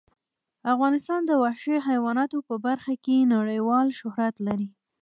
افغانستان د وحشي حیواناتو په برخه کې نړیوال شهرت لري.